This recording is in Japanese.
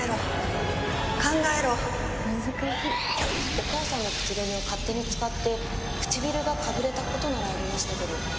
お母さんの口紅を勝手に使って唇がかぶれたことならありましたけど。